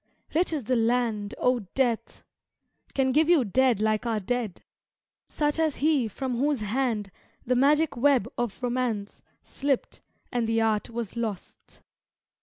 Rich is the land, O Death! Can give you dead like our dead! Such as he from whose hand The magic web of romance Slipt, and the art was lost!